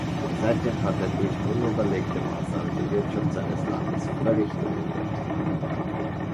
Seitdem hat er durch unüberlegte Maßnahmen die Wirtschaft seines Landes völlig ruiniert.